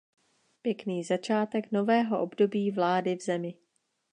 Pěkný začátek nového období vlády v zemi!